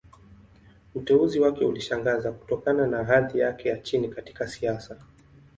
Uteuzi wake ulishangaza, kutokana na hadhi yake ya chini katika siasa.